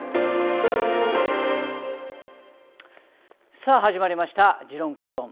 さあ始まりました「時論公論」。